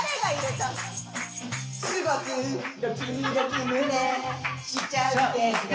「すごくドキドキ胸しちゃうけど」